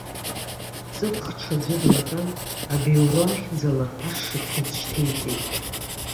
Ҵыԥх ҽаӡәы длатәан, абиуро ахьӡала ашшыԥхьыӡ шьҭеиҵеит.